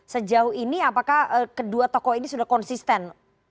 sejauh ini apakah kedua tokoh ini sudah konsisten